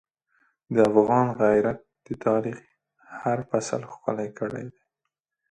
د افغان غیرت د تاریخ هر فصل ښکلی کړی دی.